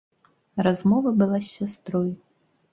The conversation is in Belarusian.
Размова была з сястрой.